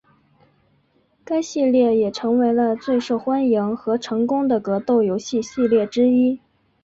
该系列也成为了最受欢迎和成功的格斗游戏系列之一。